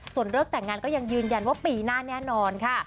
ส่วนเลิกแต่งงานก็ยังยืนยันว่าปีหน้าแน่นอนค่ะ